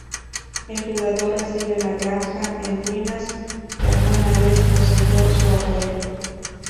El jugador recibe la granja en ruinas que alguna vez poseyó su abuelo.